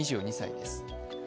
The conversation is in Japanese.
２２歳です。